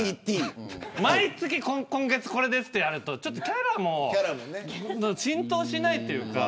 毎月、今月これですってやられるとキャラも浸透しないというか。